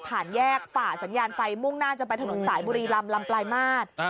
แยกฝ่าสัญญาณไฟมุ่งหน้าจะไปถนนสายบุรีลำลำปลายมาตร